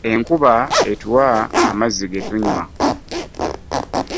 Ekuba etuwa amazzi getunywa .